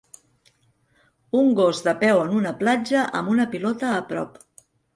Un gos de peu en una platja amb una pilota a prop.